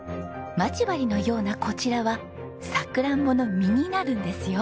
マチ針のようなこちらはさくらんぼの実になるんですよ。